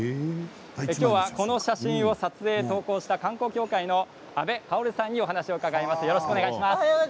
今日はこの写真を撮影、投稿した観光協会の阿部かおるさんにお話を伺います。